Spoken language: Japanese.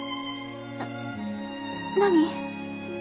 な何？